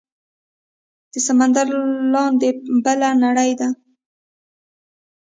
د سمندر لاندې بله نړۍ ده